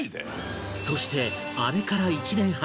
そしてあれから１年半